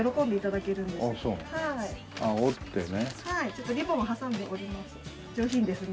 ちょっとリボンを挟んで折ります。